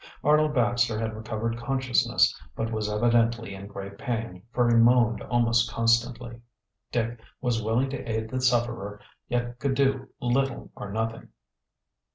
Arnold Baxter had recovered consciousness, but was evidently in great pain, for he moaned almost constantly. Dick was willing to aid the sufferer, yet could do little or nothing.